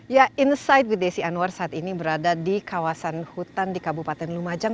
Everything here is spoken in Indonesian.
ya insight with desi anwar saat ini berada di kawasan hutan di kabupaten lumajang